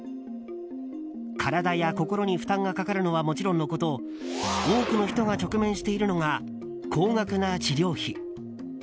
体や心に負担がかかるのはもちろんのこと多くの人が直面しているのが高額な治療費。